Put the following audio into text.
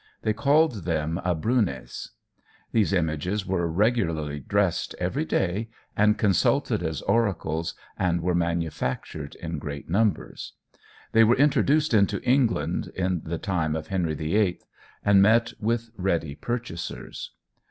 They called them Abrunes. These images were regularly dressed every day and consulted as oracles and were manufactured in great numbers. They were introduced into England in the time of Henry VIII, and met with ready purchasers.